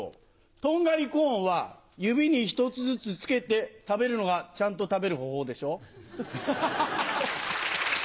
とんがりコーンは、指に１つずつつけて食べるのがちゃんと食べる方法でしょ。